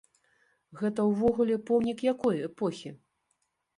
Гэта ўвогуле помнік якой эпохі?